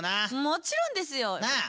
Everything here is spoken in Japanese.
もちろんですよ！なあ！